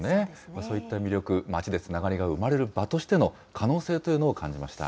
そういった魅力、街でつながりが生まれる場としての可能性というのを感じました。